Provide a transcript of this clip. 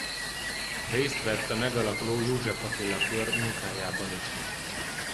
Részt vett a megalakuló József Attila kör munkájában is.